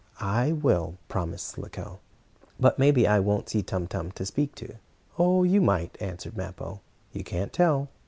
"I will," promised Slicko, "but maybe I won't see Tum Tum to speak to." "Oh, you might," answered Mappo. "You can't tell."